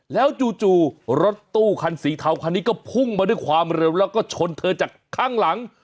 แล้วจู่รถตู้คันสีเทาคันนี้ก็พุ่งมาด้วยความเร็วแล้วก็ชนเธอจากข้างหลัง